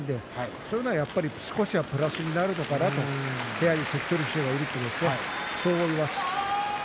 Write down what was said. そういうことが少しはプラスになるのかな部屋に関取衆がいるとと、そう思います。